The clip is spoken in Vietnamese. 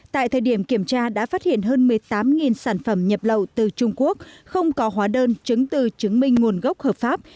tại thời điểm kiểm tra đã phát hiện hơn một mươi tám sản phẩm nhập lậu từ trung quốc không có hóa đơn chứng từ chứng minh nguồn gốc hợp pháp